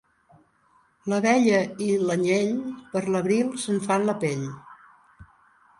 L'abella i l'anyell per l'abril se'n fan la pell.